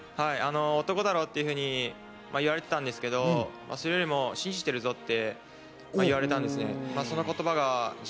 男だろ！っていうふうに言われてたんですけど、それよりも信じてるぞ！って言われたんですね。